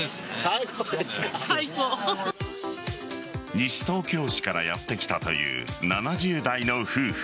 西東京市からやってきたという７０代の夫婦。